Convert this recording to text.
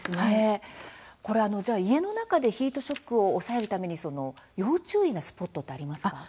家の中でヒートショックを抑えるために要注意なスポットはありますか。